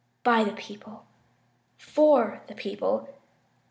. .by the people. . .for the people.